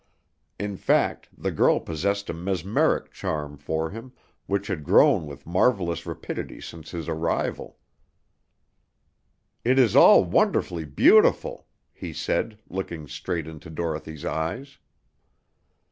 In fact, the girl possessed a mesmeric charm for him, which had grown with marvelous rapidity since his arrival. "It is all wonderfully beautiful!" he said, looking straight into Dorothy's eyes.